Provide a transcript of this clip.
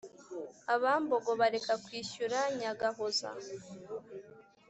abambogo bareka kwishyura nyagahoza;